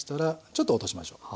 ちょっと落としましょう。